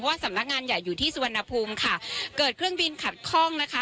สำนักงานใหญ่อยู่ที่สุวรรณภูมิค่ะเกิดเครื่องบินขัดข้องนะคะ